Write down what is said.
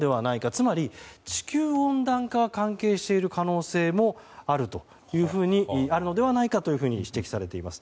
つまり地球温暖化が関係している可能性もあるのではないかと指摘されています。